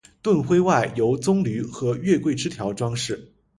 盾徽外由棕榈和月桂枝条装饰。